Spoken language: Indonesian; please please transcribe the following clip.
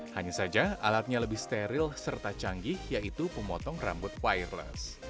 hanya saja alatnya lebih steril serta canggih yaitu pemotong rambut wireless